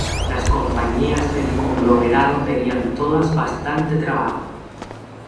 Las compañías del conglomerado tenían todas bastante trabajo.